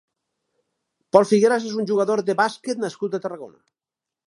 Pol Figueras és un jugador de bàsquet nascut a Tarragona.